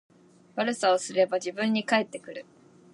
悪さをすれば自分に返ってくる